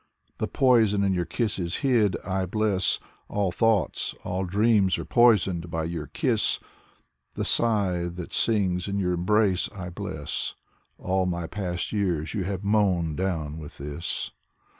The poison in your kisses hid, I bless! All thoughts, all dreams are poisoned by your kiss. The sc3rthe that sings in your embrace I bless! All my past years you have mown down with this.